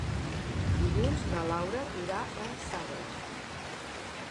Dilluns na Laura irà a Sagra.